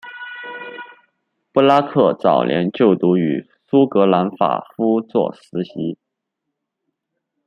布拉克早年就读于苏格兰法夫作实习。